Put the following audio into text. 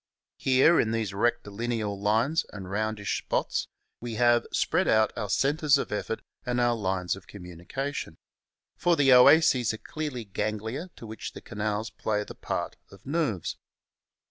Here in these rectilineal lines and roundish spots we have spread out our centres of effort and our lines of communication. For the oases are clearly ganglia to which the canals play the part of nerves.